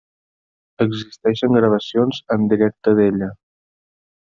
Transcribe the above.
Existeixen gravacions en directe d'ella.